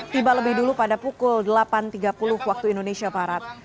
tiba lebih dulu pada pukul delapan tiga puluh waktu indonesia barat